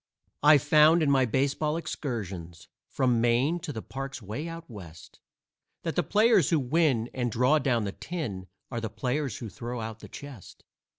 I've found, in my baseball excursions, From Maine to the parks way out West, That the players who win and draw down the tin, Are the players who throw out the chest.